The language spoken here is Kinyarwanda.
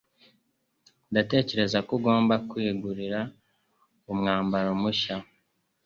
Ndatekereza ko ugomba kwigurira umwambaro mushya.